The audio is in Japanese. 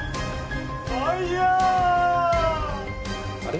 あれ？